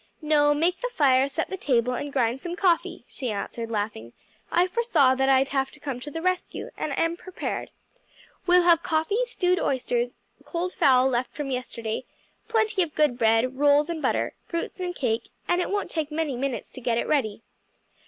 "No, make the fire, set the table, and grind some coffee," she answered, laughing. "I foresaw that I'd have to come to the rescue, and am prepared. We'll have coffee, stewed oysters, cold fowl left from yesterday, plenty of good bread, rolls and butter, fruits and cake, and it won't take many minutes to get it ready."